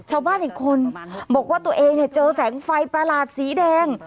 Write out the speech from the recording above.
ชาวบ้านอีกคนบอกว่าตัวเองเนี่ยเจอแสงไฟประหลาดสีแดง